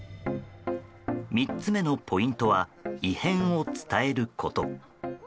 ３つ目のポイントは異変を伝えること。